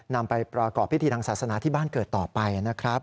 นำไปประกอบพิธีทางศาสนาที่บ้านเกิดต่อไปนะครับ